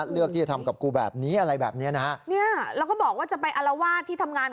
เลือกที่จะทำกับกูแบบนี้อะไรแบบนี้นะ